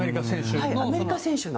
アメリカ選手の。